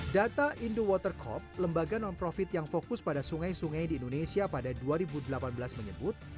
data in the watercop lembaga non profit yang fokus pada sungai sungai di indonesia pada dua ribu delapan belas menyebut